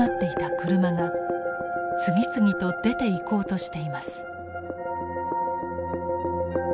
次々と出ていこうとしています。